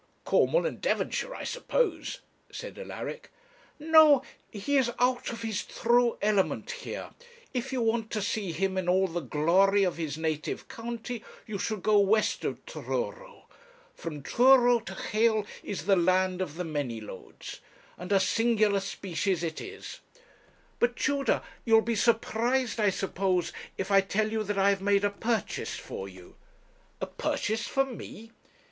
'Cornwall and Devonshire, I suppose,' said Alaric. 'No; he is out of his true element here. If you want to see him in all the glory of his native county you should go west of Truro. From Truro to Hayle is the land of the Manylodes. And a singular species it is. But, Tudor, you'll be surprised, I suppose, if I tell you that I have made a purchase for you.' 'A purchase for me!'